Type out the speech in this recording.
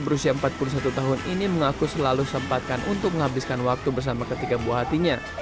berusia empat puluh satu tahun ini mengaku selalu sempatkan untuk menghabiskan waktu bersama ketiga buah hatinya